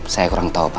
saya kurang tau pak